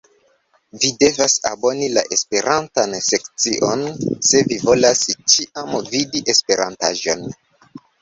Vi devas aboni la esperantan sekcion se vi volas ĉiam vidi esperantaĵon